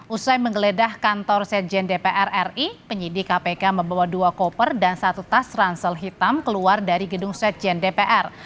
usai menggeledah kantor sekjen dpr ri penyidik kpk membawa dua koper dan satu tas ransel hitam keluar dari gedung sekjen dpr